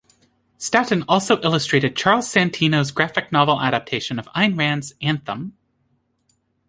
Staton also illustrated Charles Santino's graphic novel adaptation of Ayn Rand's "Anthem".